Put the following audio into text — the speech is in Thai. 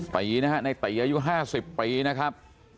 ตีนะฮะในตีอายุ๕๐ปีนะครับ